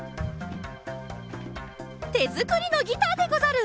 てづくりのギターでござる！